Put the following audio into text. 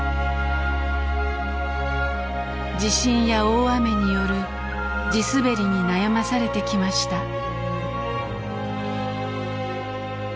地震や大雨による地滑りに悩まされてきました。